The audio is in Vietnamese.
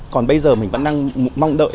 còn bây giờ mình vẫn đang mong đợi